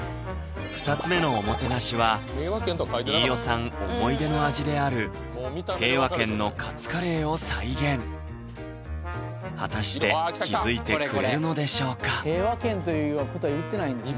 ２つ目のおもてなしは飯尾さん思い出の味である果たして気付いてくれるのでしょうか平和軒ということは言ってないんですね